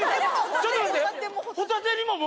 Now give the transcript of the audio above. ちょっと待って。